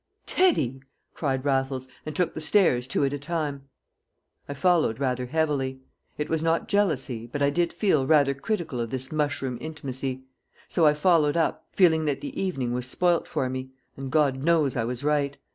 "Teddy!" cried Raffles, and took the stairs two at a time. I followed rather heavily. It was not jealousy, but I did feel rather critical of this mushroom intimacy. So I followed up, feeling that the evening was spoilt for me and God knows I was right!